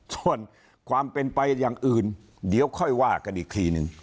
ส่วนความเป็นไปอย่างอื่นเดี๋ยวค่อยว่ากันอีกทีนึง